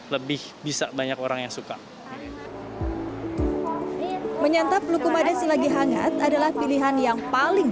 lebih bisa banyak orang yang suka dres menyentuh lukuma desa lagi hangat adalah pilihan yang paling